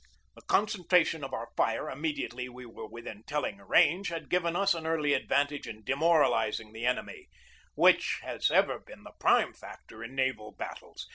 The concentration of our fire immediately we were within telling range had given us an early advantage in demoralizing the enemy, which has ever been the prime factor in naval battles.